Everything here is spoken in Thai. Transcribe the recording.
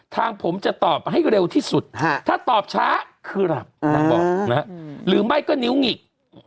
ทางผมจะตอบให้เร็วที่สุดถ้าตอบช้าคือหลับนางบอกหรือไม่ก็นิ้วหงิก